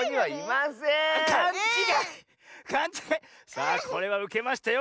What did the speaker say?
さあこれはウケましたよ。